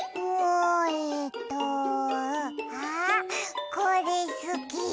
えとあっこれすき。